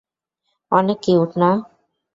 অনেক কিউট, না?